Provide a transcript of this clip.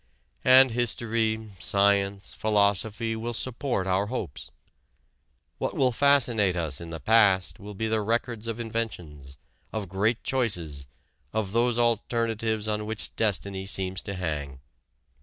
And history, science, philosophy will support our hopes. What will fascinate us in the past will be the records of inventions, of great choices, of those alternatives on which destiny seems to hang.